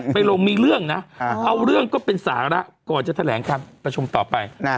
ไปลงมีเรื่องนะเอาเรื่องก็เป็นสาระก่อนจะแถลงการประชุมต่อไป